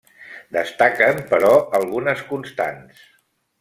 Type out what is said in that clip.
Destaquen, però, algunes constants.